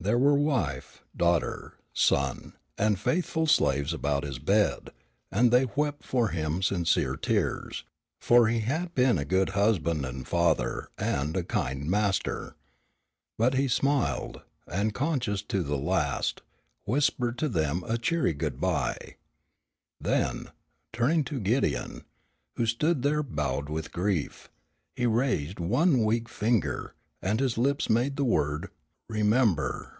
There were wife, daughter, son, and faithful slaves about his bed, and they wept for him sincere tears, for he had been a good husband and father and a kind master. But he smiled, and, conscious to the last, whispered to them a cheery good bye. Then, turning to Gideon, who stood there bowed with grief, he raised one weak finger, and his lips made the word, "Remember!"